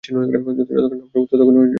যতক্ষণ নামরূপ আছে, ততক্ষণই জগৎ আছে।